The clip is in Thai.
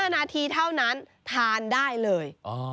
๕นาทีเท่านั้นทานได้เลย